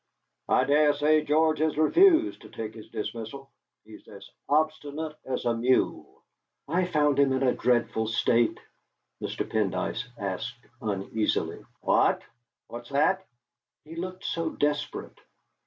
"I dare say George has refused to take his dismissal. He's as obstinate as a mule." "I found him in a dreadful state." Mr. Pendyce asked uneasily: "What? What's that?" "He looked so desperate."